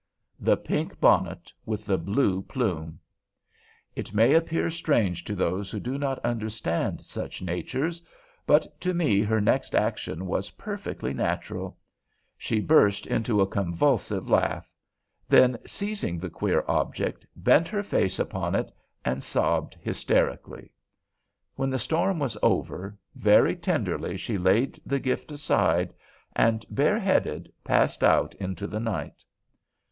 The pink bonnet with the blue plume! It may appear strange to those who do not understand such natures, but to me her next action was perfectly natural. She burst into a convulsive laugh; then, seizing the queer object, bent her face upon it and sobbed hysterically. When the storm was over, very tenderly she laid the gift aside, and bareheaded passed out into the night.